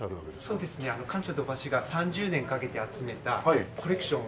そうですね館長土橋が３０年かけて集めたコレクションを。